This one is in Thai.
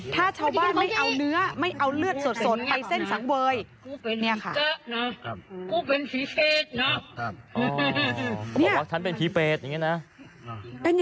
ถ้าชาวบ้านไม่เอาเนื้อไม่เอาเลือดสดไปเส้นสังเวย